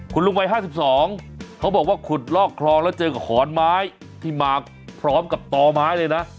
คุณลุงวัย๕๒เขาบอกว่าขุดลอกคลองแล้วเจอกับขอนไม้ที่มาพร้อมกับต่อไม้เลยนะ